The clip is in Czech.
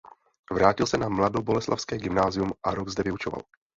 Vrátil se na mladoboleslavské gymnázium a rok zde vyučoval.